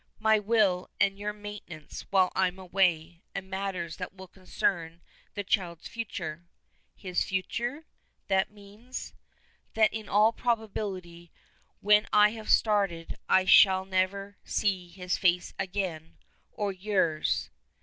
"My will and your maintenance whilst I am away; and matters that will concern the child's future." "His future. That means " "That in all probability when I have started I shall never see his face again or yours."